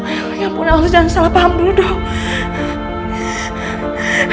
ya allah ya ampun elsa jangan salah paham dulu dong